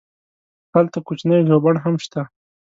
هلته کوچنی ژوبڼ هم شته.